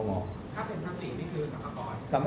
ครับเป็นภาษีนี่คือสัมภาพร